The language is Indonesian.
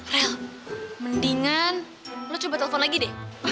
rel mendingan lo coba telepon lagi deh